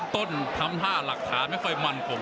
ต้นทำภาพหลักท้าไม่ค่อยมั่นผม